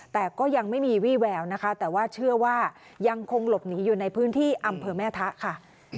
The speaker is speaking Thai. แต่ก็ยังไม่มีวี่แววนะคะแต่ว่าเชื่อว่ายังคงหลบหนีอยู่ในพื้นที่อำเภอแม่ทะค่ะ